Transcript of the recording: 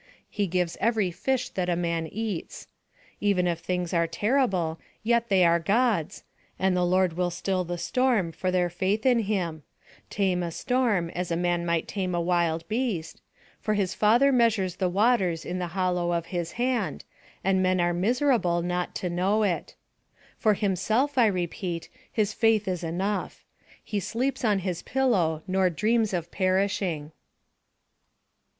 He gives every fish that a man eats. Even if things are terrible yet they are God's, and the Lord will still the storm for their faith in Him tame a storm, as a man might tame a wild beast for his Father measures the waters in the hollow of his hand, and men are miserable not to know it. For himself, I repeat, his faith is enough; he sleeps on his pillow nor dreams of perishing.